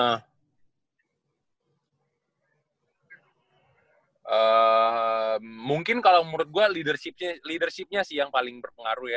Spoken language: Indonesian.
nah mungkin kalau menurut gue leadership leadershipnya sih yang paling berpengaruh ya